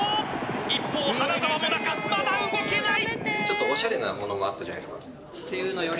一方、花澤最中まだ動けない。